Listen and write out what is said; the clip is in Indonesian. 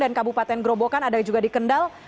dan kabupaten gerobokan ada juga di kendal